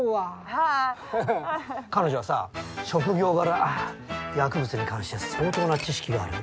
ハハ彼女はさ職業柄薬物に関しては相当な知識がある。